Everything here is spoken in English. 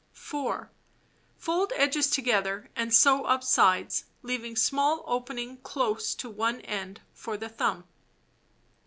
4. Fold edges together and sew up sides, leaving small opening close to one end for the thumb.